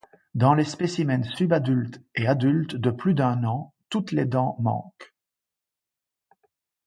Dans les spécimens subadultes et adultes de plus d'un an, toutes les dents manquent.